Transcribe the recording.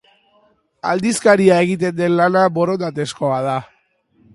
Aldizkaria egiten den lana borondatezkoa da.